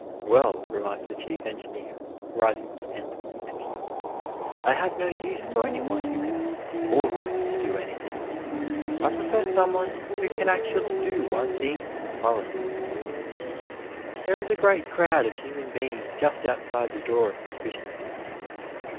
"Well," remarked the Chief Engineer, rising to end the interview, "I have no use for anyone who can 'almost' do anything. I prefer someone who can actually do one thing thoroughly." There is a great crowd of human beings just outside the door of proficiency.